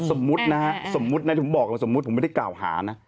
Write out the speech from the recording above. สมมุตินะครับผมบอกว่าสมมุติผมไม่ได้กล่าวหานะ